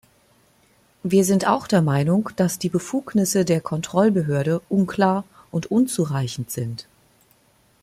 Wir sind auch der Meinung, dass die Befugnisse der Kontrollbehörde unklar und unzureichend sind.